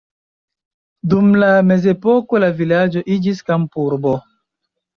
Dum la mezepoko la vilaĝo iĝis kampurbo.